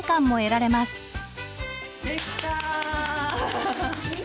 できた！